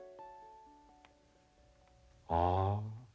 ああ。